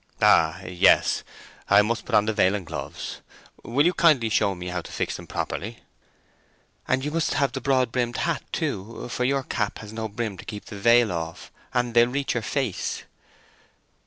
"Ah, yes. I must put on the veil and gloves. Will you kindly show me how to fix them properly?" "And you must have the broad brimmed hat, too, for your cap has no brim to keep the veil off, and they'd reach your face."